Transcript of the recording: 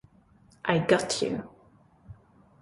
I Got You